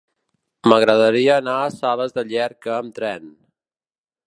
M'agradaria anar a Sales de Llierca amb tren.